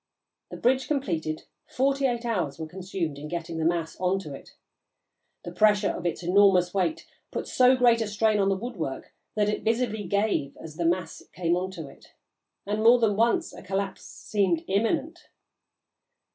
The bridge completed, forty eight hours were consumed in getting the mass on to it. The pressure of its enormous weight put so great a strain on the woodwork that it visibly gave as the mass came on to it, and more than once a collapse seemed imminent.